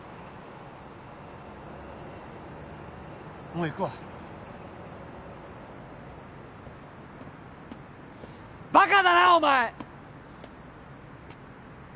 もう行くわバカだなお前！